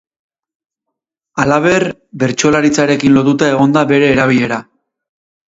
Halaber, bertsolaritzarekin lotuta egon da bere erabilera.